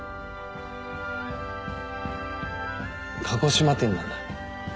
鹿児島店なんだ。